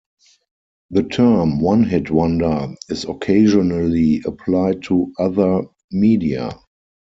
The term "one-hit wonder" is occasionally applied to other media.